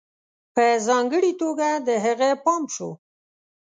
په ځانگړي توگه د هغه پام شو